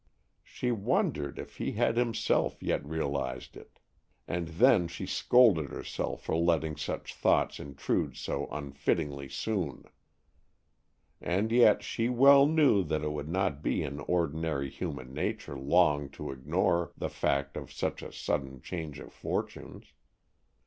She wondered if he had himself yet realized it; and then she scolded herself for letting such thoughts intrude so unfittingly soon. And yet she well knew that it would not be in ordinary human nature long to ignore the fact of such a sudden change of fortunes.